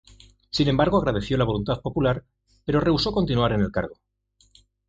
Sin embargo, agradeció la voluntad popular pero rehusó continuar en el cargo.